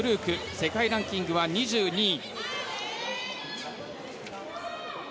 世界ランキングは２２位。